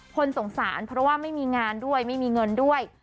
คนสงสารเพราะว่าไม่มีงานด้วยไม่มีเงินด้วย